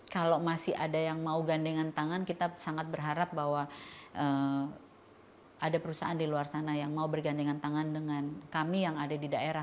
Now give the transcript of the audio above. kalau masih ada yang mau gandengan tangan kita sangat berharap bahwa ada perusahaan di luar sana yang mau bergandengan tangan dengan kami yang ada di daerah